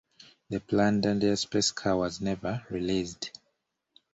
The planned 'Dan Dare' Spacecar was never released.